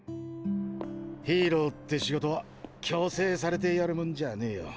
ヒーローって仕事は強制されてやるもんじゃねぇよ。